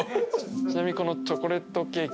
ちなみにこのチョコレートケーキ。